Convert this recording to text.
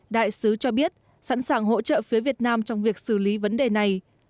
đại sứ cho biết sẵn sàng hỗ trợ phía việt nam trong việc xử lý vấn đề này